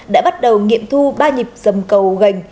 đã bắt đầu nghiệm thu ba nhịp dầm cầu gành